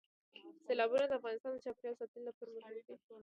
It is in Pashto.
سیلابونه د افغانستان د چاپیریال ساتنې لپاره مهم دي.